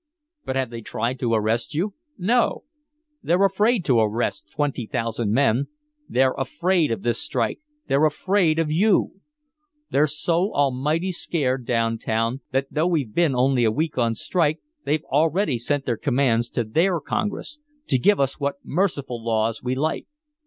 But have they tried to arrest you? No! They're afraid to arrest twenty thousand men, they're afraid of this strike, they're afraid of you! They're so almighty scared downtown that though we've been only a week on strike they've already sent their commands to their Congress to give us what merciful laws we like.